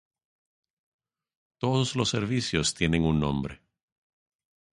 Todos los servicios tienen un nombre